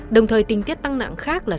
đồng thời tình tiết tăng nặng khác là